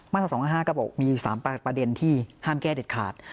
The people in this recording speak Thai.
ตรา๒๕๕ก็บอกมี๓ประเด็นที่ห้ามแก้เด็ดขาด